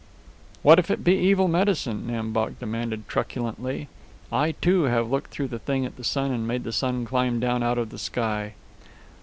"What if it be evil medicine?" Nam Bok demanded truculently. "I, too, have looked through the thing at the sun and made the sun climb down out of the sky."